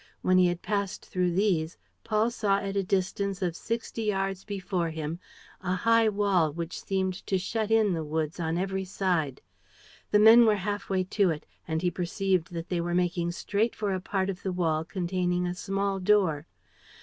When he had passed through these, Paul saw at a distance of sixty yards before him a high wall which seemed to shut in the woods on every side. The men were half way to it; and he perceived that they were making straight for a part of the wall containing a small door.